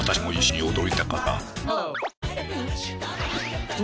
ああ。